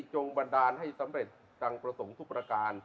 จงบันดาลให้สำเร็จจังประสงค์ทุกประการ